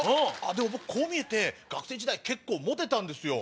でも僕こう見えて学生時代結構モテたんですよ。